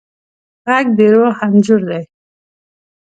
غږ د روح انځور دی